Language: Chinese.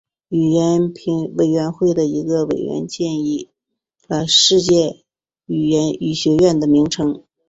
语言委员会的一个委员建议了世界语学院的名称。